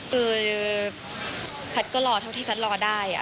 คือพลัทธ์ก็รอเท่าที่พลัทธ์รอได้